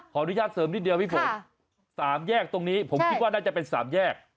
ขออนุญาตเสริมนิดเดียวพี่ฝน๓แยกตรงนี้ผมคิดว่าน่าจะเป็น๓แยก